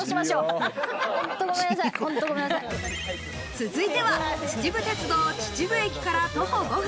続いては秩父鉄道・秩父駅から徒歩５分。